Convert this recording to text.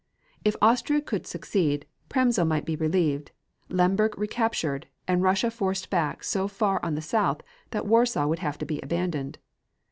If Austria could succeed, Przemysl might be relieved, Lemberg recaptured, and Russia forced back so far on the south that Warsaw would have to be abandoned.